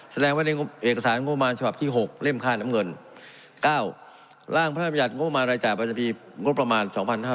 แสดงไว้ในเอกสารงบราณฉภาพที่หกเล่มคาดดำเงินเก้าร่างพัฒนาบิจัดงบราณรายจากปัจจัยประจำปีงบประมาณ๒๕๖๖